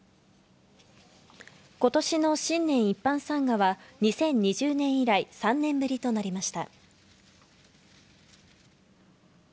今年の新年一般参賀は２０２０年以来３年ぶりとなりました。